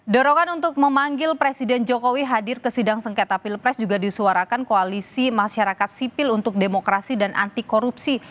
dorongan untuk memanggil presiden jokowi hadir ke sidang sengketa pilpres juga disuarakan koalisi masyarakat sipil untuk demokrasi dan anti korupsi